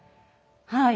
はい。